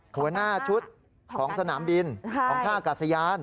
หัวหน้าชุดของสนามบินของท่ากาศยาน